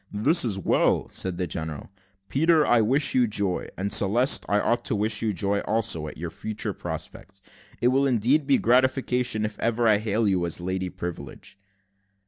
"This is well," said the general. "Peter, I wish you joy; and, Celeste, I ought to wish you joy also, at your future prospects. It will indeed be a gratification if ever I hail you as Lady Privilege."